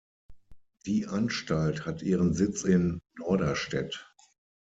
Die Anstalt hat ihren Sitz in Norderstedt.